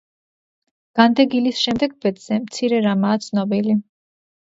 განდეგილის შემდეგ ბედზე მცირე რამაა ცნობილი.